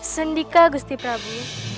sendika gusti prabu